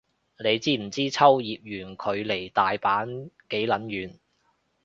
你知唔知秋葉原距離大阪幾撚遠